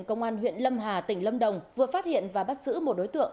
công an huyện lâm hà tỉnh lâm đồng vừa phát hiện và bắt giữ một đối tượng